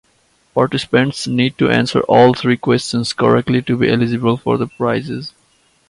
Participants need to answer all three questions correctly to be eligible for the prizes.